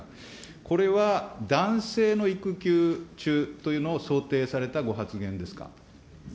これは男性の育休中というのを想定されたご発言ですか。